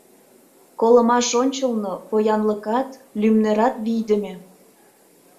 Колымаш ончылно поянлыкат, лӱмнерат вийдыме.